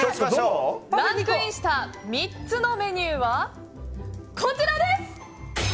ランクインした３つのメニューはこちらです！